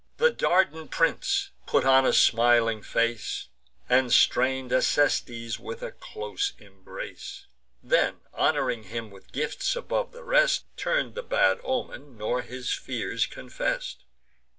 The Dardan prince put on a smiling face, And strain'd Acestes with a close embrace; Then, hon'ring him with gifts above the rest, Turn'd the bad omen, nor his fears confess'd.